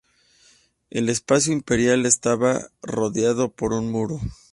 El espacio imperial estaba rodeado por un muro.